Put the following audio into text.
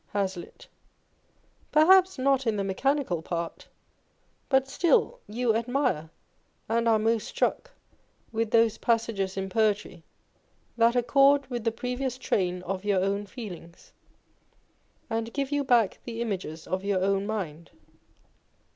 Hazlitt. Perhaps not in the mechanical part ; but still you admire and are most struck with those passages in poetry that accord with the previous train of your own feelings, and give you back the images of your own mind.